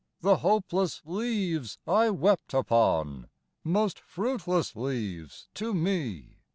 The hopeless leaves I wept upon! Most fruitless leaves to me! IV.